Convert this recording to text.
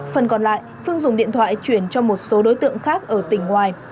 phần còn lại phương dùng điện thoại chuyển cho một số đối tượng khác ở tỉnh ngoài